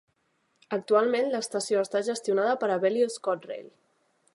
Actualment l'estació està gestionada per Abellio ScotRail.